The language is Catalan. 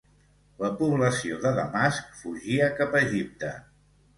La població de Damasc fugia cap a Egipte.